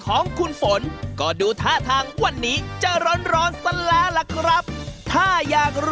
ของพี่ดีกว่าไฟฉายเทียนดีกว่าไฟฉายค่ะ